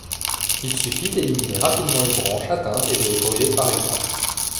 Il suffit d'éliminer rapidement les branches atteintes et de les brûler par exemple.